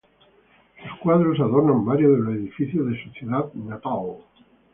Sus cuadros adornan varios de los edificios de su ciudad natal.